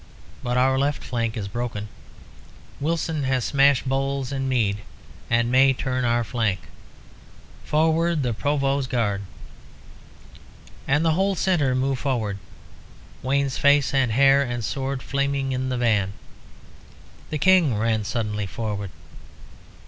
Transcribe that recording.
But our left is broken. Wilson has smashed Bowles and Mead, and may turn our flank. Forward, the Provost's Guard!" And the whole centre moved forward, Wayne's face and hair and sword flaming in the van. The King ran suddenly forward.